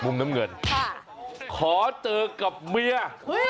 มุมน้ำเงินขอเจอกับเมีย